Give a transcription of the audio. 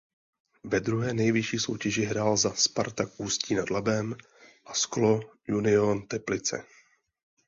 Ve druhé nejvyšší soutěži hrál za Spartak Ústí nad Labem a Sklo Union Teplice.